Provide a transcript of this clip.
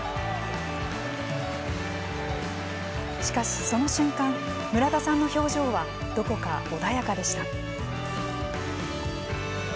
しかし、その瞬間村田さんの表情はどこか、穏やかでした。